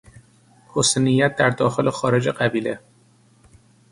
حسننیت در داخل و خارج قبیله